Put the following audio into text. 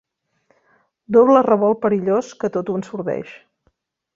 Doble revolt perillós que tot ho ensordeix.